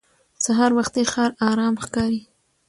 سهار وختي ښار ارام ښکاري